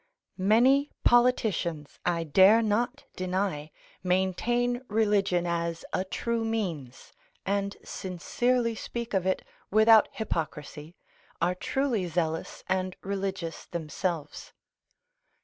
Many politicians, I dare not deny, maintain religion as a true means, and sincerely speak of it without hypocrisy, are truly zealous and religious themselves.